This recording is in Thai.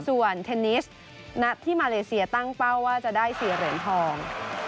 ส่วนเทนนิสนัดที่มาเลเซียตั้งเป้าว่าจะได้๔เหรียญทอง